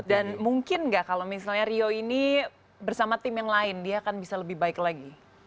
dan mungkin nggak kalau misalnya rio ini bersama tim yang lain dia akan bisa lebih baik lagi